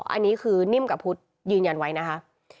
อันนี้คือนิ่มกับพุทธยืนยันไว้นะคะ